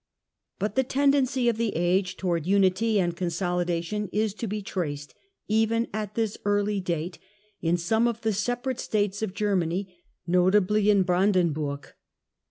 But the tendency of the age towards unity and consolidation is to be traced, even at this early date, in some of the separate states of Germany — notably in Bran denburg.